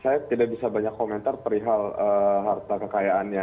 saya tidak bisa banyak komentar perihal harta kekayaannya